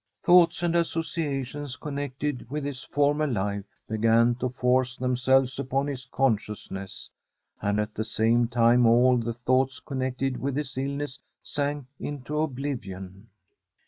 Thoughts and associations connected with his former life began to force themselves upon his consciousness, and at the same time all the thoughts connected with his illness sank into ob livion.